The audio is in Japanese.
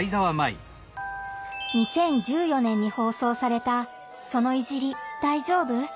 ２０１４年に放送された「その“いじり”、大丈夫？」。